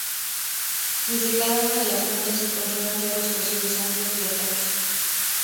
Desde cada una de las puntas se controlan todos los posibles ángulos de ataque.